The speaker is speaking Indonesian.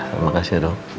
terima kasih dok